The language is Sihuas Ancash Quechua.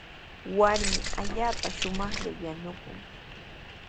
Warmi allaapa shumaqlla yanukun.